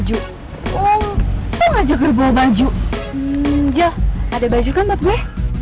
oho mereka kekafe